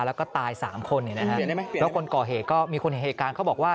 แล้วก็ตายสามคนแล้วก็คนก่อเหก็มีคนเหตุการณ์เขาบอกว่า